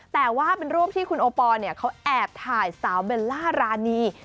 แต่ว่าเป็นรูปที่คุณโอปอลเขาแอบถ่ายสาวเบลล่ารานี